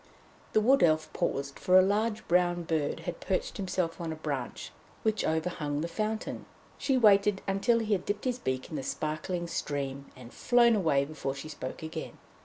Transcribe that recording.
The Wood Elf paused, for a large brown bird had perched himself on a branch which overhung the fountain. She waited until he had dipped his beak in the sparkling stream and flown away before she spoke again.